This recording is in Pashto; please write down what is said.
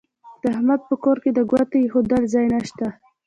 د احمد په کار کې د ګوتې اېښولو ځای نه شته.